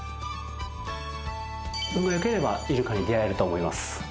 運がよければイルカに出会えると思います。